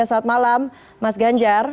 selamat malam mas ganjar